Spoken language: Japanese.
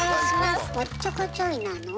おっちょこちょいなの？